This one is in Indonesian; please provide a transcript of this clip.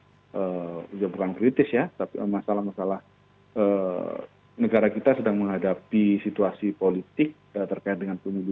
ya bukan kritis ya tapi masalah masalah negara kita sedang menghadapi situasi politik terkait dengan pemilu dua ribu dua puluh